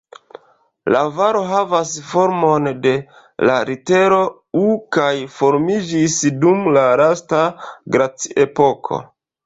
La valo havas formon de la litero "U" kaj formiĝis dum la lasta glaciepoko.